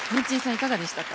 いかがでしたか？